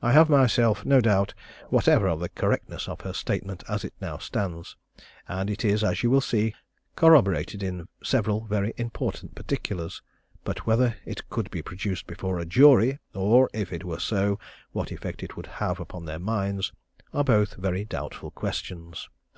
I have, myself, no doubt whatever of the correctness of her statement as it now stands, and it is, as you will see, corroborated in several very important particulars, but whether it could be produced before a jury, or, if it were so, what effect it would have upon their minds, are both very doubtful questions.